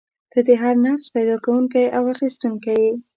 ته د هر نفس پیدا کوونکی او اخیستونکی یې.